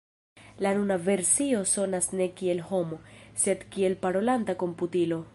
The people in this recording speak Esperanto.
La nuna versio sonas ne kiel homo, sed kiel parolanta komputilo.